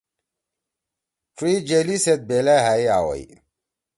ڇُوئی جلی سیت بیلأ ہأ ئے آویئی۔